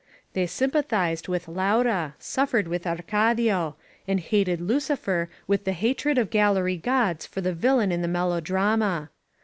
They sympathized with Laura, suffered with Arcadio, and hated Lticifer with the hatred of gallery gods for the villain In the melodrama.